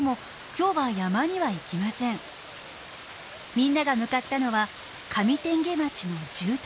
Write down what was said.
みんなが向かったのは上天花町の住宅。